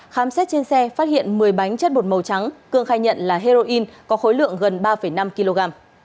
khám xét trên xe phát hiện một mươi bánh chất bột màu trắng cương khai nhận là heroin có khối lượng gần ba năm kg